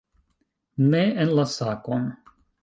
Ne en la sakon!